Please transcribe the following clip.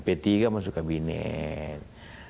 p tiga masuk kabinet